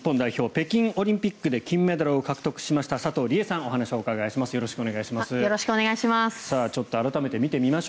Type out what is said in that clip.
北京オリンピックで金メダルを獲得しました佐藤理恵さんにお話を伺います。